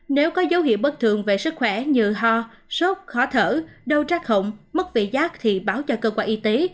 nếu có dấu hiệu bất thường về sức khỏe như ho sốt khó thở đau trắc hỏng mất vị giác thì báo cho cơ quan y tế